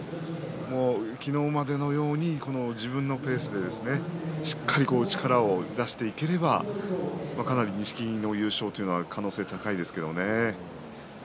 昨日までのように自分のペースでしっかりと力を出していければかなり錦木の優勝というのは可能性が高くなります。